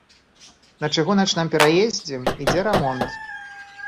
На чыгуначным пераездзе ідзе рамонт.